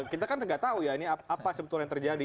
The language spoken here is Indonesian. kita kan tidak tahu ya ini apa sebetulnya yang terjadi